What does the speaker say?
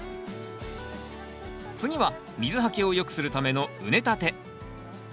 次は水はけを良くするための畝立て。